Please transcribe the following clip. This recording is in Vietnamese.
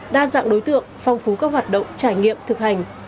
đa dạng đối tượng phong phú các hoạt động trải nghiệm thực hành